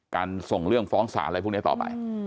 ส่งเรื่องฟ้องสารอะไรพวกนี้ต่อไป